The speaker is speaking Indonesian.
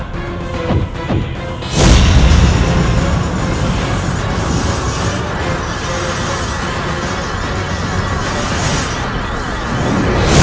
lindungilah dia ya allah